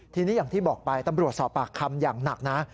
ทีนี้อย่างที่บอกไปตำรวจสอบปากคำอย่างหนักนะ